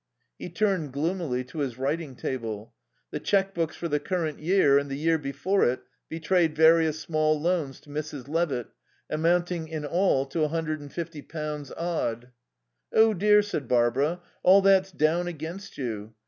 He turned, gloomily, to his writing table. The cheque books for the current year and the year before it betrayed various small loans to Mrs. Levitt, amounting in all to a hundred and fifty pounds odd. "Oh, dear," said Barbara, "all that's down against you.